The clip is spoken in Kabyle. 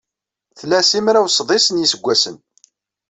Tla simraw-sḍis n yiseggasen.